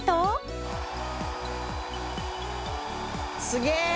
すげえ。